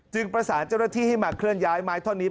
ประสานเจ้าหน้าที่ให้มาเคลื่อนย้ายไม้ท่อนี้